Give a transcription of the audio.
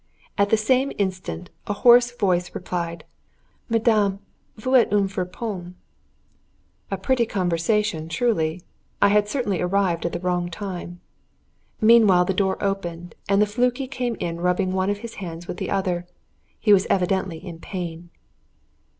And at the same instant a hoarse voice replied: "Madame, vous êtes une friponne!" A pretty conversation truly. I had certainly arrived at the wrong time. Meanwhile the door opened, and the flunkey came in rubbing one of his hands with the other; he was evidently in pain.